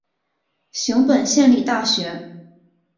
熊本县立大学